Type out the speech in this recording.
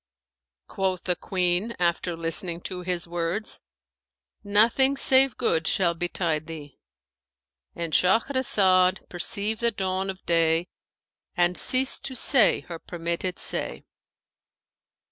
Quoth the Queen, after listening to his words, "Nothing save good shall betide thee:"—And Shahrazad perceived the dawn of day and ceased to say her permitted say.